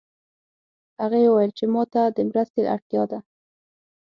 هغې وویل چې ما ته د مرستې اړتیا ده